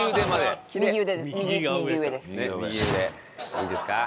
いいですか？